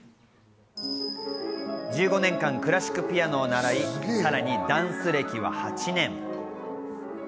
１５年間クラシックピアノを習い、さらにダンス歴は８年。